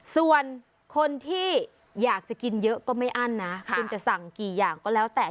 ส่วนคนที่อยากจะกินเยอะก็ไม่อั้นนะคุณจะสั่งกี่อย่างก็แล้วแต่